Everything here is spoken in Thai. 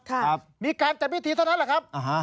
ครับมีการจัดพิธีเท่านั้นแหละครับอ่าฮะ